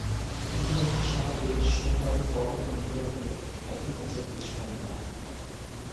ইতিবাচক সাড়া পেয়ে সোমবার করণ ও নির্ভয়াকে একই খাঁচায় প্রবেশ করান তাঁরা।